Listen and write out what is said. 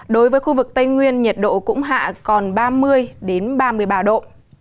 đối với khu vực tây nguyên nhiệt độ cũng hạ còn ba mươi ba mươi ba độ